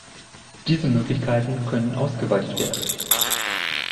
Diese Möglichkeiten können ausgeweitet werden.